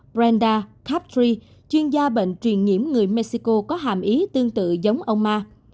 brenda captree chuyên gia bệnh truyền nhiễm người mexico có hàm ý tương tự giống ông ma